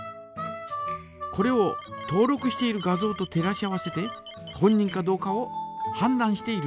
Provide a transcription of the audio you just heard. これを登録している画像と照らし合わせて本人かどうかをはんだんしているんです。